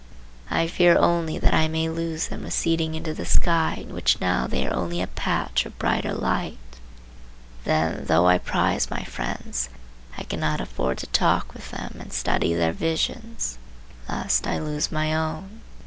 I fear only that I may lose them receding into the sky in which now they are only a patch of brighter light. Then, though I prize my friends, I cannot afford to talk with them and study their visions, lest I lose my own.